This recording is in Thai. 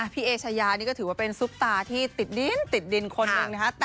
พี่เอชายานี่ก็ถือว่าเป็นซุปตาที่ติดดินติดดินคนหนึ่งนะฮะ